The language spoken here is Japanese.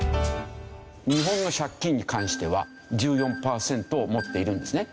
日本の借金に関しては１４パーセントを持っているんですね。